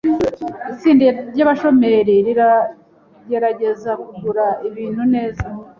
Itsinda ryabashoramari riragerageza kugura ibintu neza.